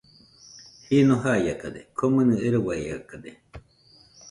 Jɨno baiakade, komɨnɨ eruaiakade.